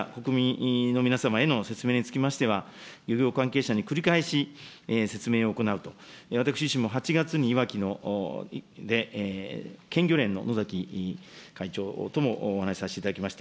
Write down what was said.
漁業者、国民の皆様への説明につきましては、漁業関係者に繰り返し説明を行うと、私自身も８月にいわきで県漁連ののざき会長ともお話させていただきました。